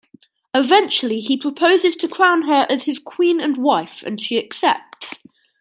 Eventually he proposes to crown her as his queen and wife, and she accepts.